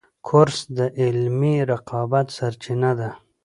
کورس د علمي رقابت سرچینه ده.